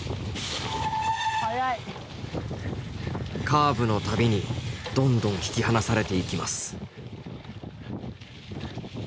カーブの度にどんどん引き離されていきます。